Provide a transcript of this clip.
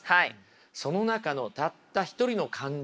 その中のたった一人の感情。